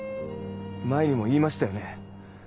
前にも言いましたよね。